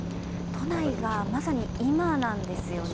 都内がまさに今なんですよね。